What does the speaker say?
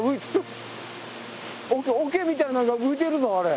桶みたいなんが浮いてるぞあれ。